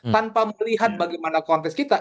tanpa melihat bagaimana kontes kita